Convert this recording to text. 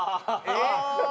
ああ！